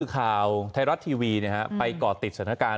ผู้สึกข่าวทายรัฐทีวีเนี้ยฮะไปก่อติดสถานการณ์